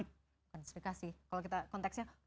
kansifikasi kalau kita konteksnya